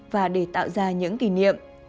và để tạo ra những kỷ niệm